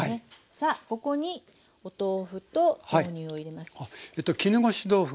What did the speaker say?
さあここにお豆腐と豆乳を入れます。